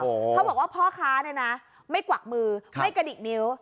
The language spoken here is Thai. เขาบอกว่าพ่อค้าเนี่ยนะไม่กวักมือไม่กระดิกนิ้ว